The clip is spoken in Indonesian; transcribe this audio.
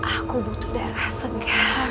aku butuh darah segar